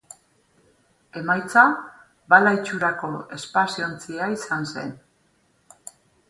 Emaitza bala itxurako espazio-ontzia izan zen.